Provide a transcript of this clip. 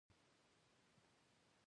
هر انسان هماغه يوه خدای پيدا کړی دی.